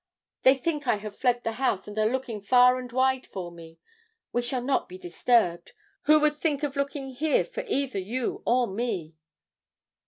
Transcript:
'They think I have fled the house and are looking far and wide for me. We shall not be disturbed. Who would think looking of here for either you or me.